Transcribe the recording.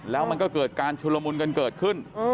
แล้วมันก็เกิดการชุลมุนกันเกิดขึ้น